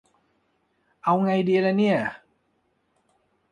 เอาไงดีละเนี่ย